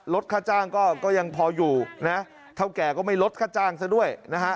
ลดค่าจ้างก็ยังพออยู่นะเท่าแก่ก็ไม่ลดค่าจ้างซะด้วยนะฮะ